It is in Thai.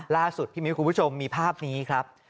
ล่าสุดที่มีคุณผู้ชมมีภาพนี้ครับ